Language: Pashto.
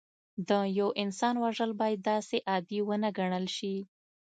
د یو انسان وژل باید داسې عادي ونه ګڼل شي